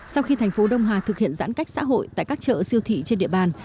sau khi thành phố đông hà thực hiện giãn cách xã hội tại các chợ siêu thị trên địa bàn